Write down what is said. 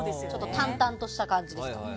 淡々とした感じですけど。